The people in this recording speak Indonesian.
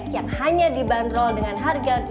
yang hanya dibanderol dengan harga rp lima jutaan